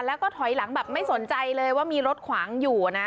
แล้วก็ถอยหลังแบบไม่สนใจเลยว่ามีรถขวางอยู่นะ